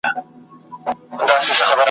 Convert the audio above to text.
چي په دغو دوو ژبو مي مطالعه کولای سوای